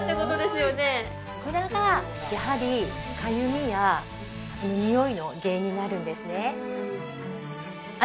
これがやはりかゆみやにおいの原因になるんですね。